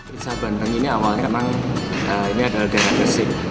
desa bandeng ini awalnya memang ini adalah daerah gresik